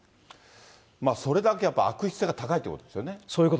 それだけ、やっぱり悪質性が高いということですよね。